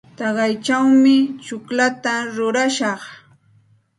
Kaychawmi tsukllata rurashaq.